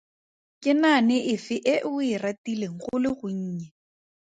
Ke naane efe e o e ratileng go le gonnye?